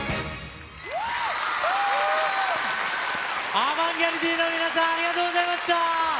アバンギャルディの皆さん、ありがとうございました。